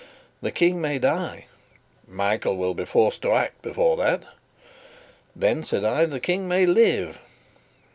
"The King may die." "Michael will be forced to act before that." "Then," said I, "the King may live."